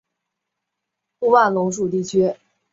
布万龙属地区。